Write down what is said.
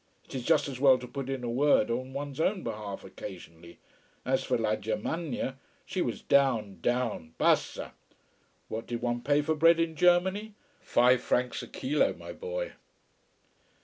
It is just as well to put in a word on one's own behalf occasionally. As for La Germania she was down, down: bassa. What did one pay for bread in Germany? Five francs a kilo, my boy.